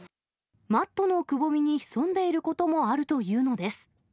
マットのくぼみに潜んでいることもあるというのです。